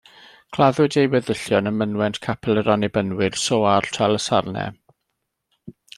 Claddwyd ei weddillion ym mynwent capel yr Annibynwyr, Soar, Talsarnau.